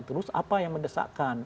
terus apa yang mendesakkan